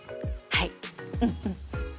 はい。